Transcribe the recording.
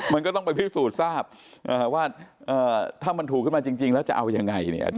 มันก็ต้องไปพิสูจน์ทราบว่าถ้ามันถูกขึ้นมาจริงแล้วจะเอายังไงเนี่ย